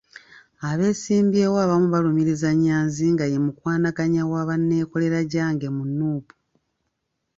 Abeesimbyewo abamu balumiriza Nyanzi nga ye mukwanaganya wa banneekolera gyange mu Nuupu.